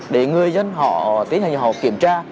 để người dân họ tiến hành kiểm tra